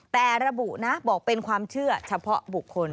แต่ระบุนะบอกเป็นความเชื่อเฉพาะบุคคล